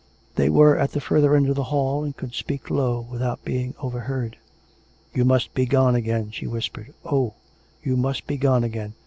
They were at the further end of the hall, and could speak low without being over heard. " You must begone again," she whispered. " Oh ! you must begone again.